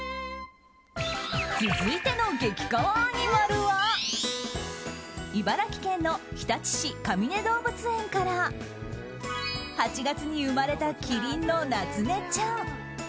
続いての激かわアニマルは茨城県の日立市かみね動物園から８月に生まれたキリンのナツネちゃん。